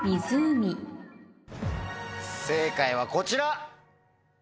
正解はこちら。